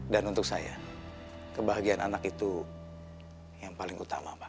dan untuk saya kebahagiaan anak itu yang paling utama pak